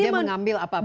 dia mengambil apapun